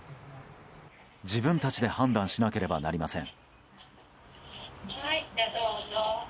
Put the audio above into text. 自分たちで判断しなければなりません。